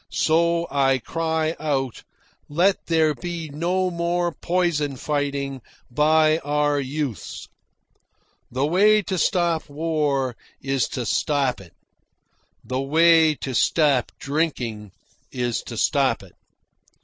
so I cry out, "Let there be no more poison fighting by our youths!" The way to stop war is to stop it. The way to stop drinking is to stop it.